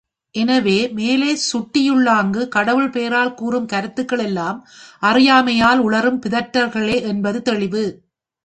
எனவே, மேலே சுட்டியுள்ளாங்கு, கடவுள் பெயரால் கூறும் கருத்துகள் எல்லாம், அறியாமையால் உளறும் பிதற்றல்களே என்பது தெளிவு.